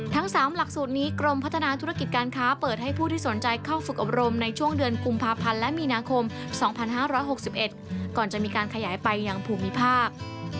ทั้ง๓หลักสูตรนี้กรมพัฒนาธุรกิจการค้าเปิดให้ผู้ที่สนใจเข้าฝึกอบรมในช่วงเดือนกุมภาพันธ์และมีนาคม๒๕๖๑ก่อนจะมีการขยายไปอย่างภูมิภาค